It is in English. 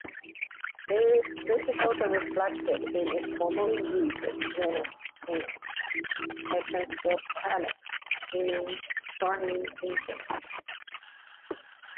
This is also reflected in its formerly used genus name "Acanthopanax" meaning "thorny ginseng".